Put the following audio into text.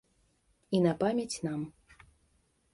І на памяць нам.